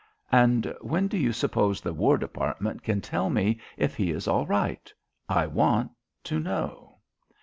"And when do you suppose the War Department can tell me if he is all right. I want to know."